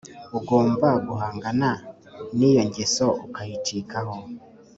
Ugomba guhangana n’iyo ngeso ukayicikaho